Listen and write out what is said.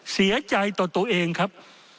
เสียใจต่อตัวเองครับ